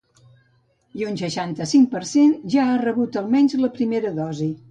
I un seixanta-cinc per cent ja ha rebut almenys la primera dosi.